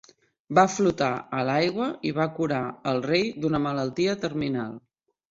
Va flotar a l'aigua i va curar el rei d'una malaltia terminal.